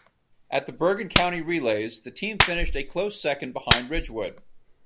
At the Bergen County Relays, the team finished a close second behind Ridgewood.